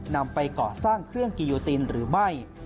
นำไปก่อสร้างเครื่องกิโยตินหรือไม่